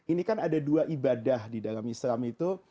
ini kan ada dua ibadah di dalam islam itu